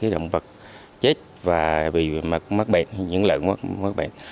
động vật chết và bị mắc bệnh những lợn mắc bệnh